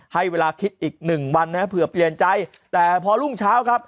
ให้เวลาคิดอีกหนึ่งวันนะครับเผื่อเปลี่ยนใจแต่พอรุ่งเช้าครับ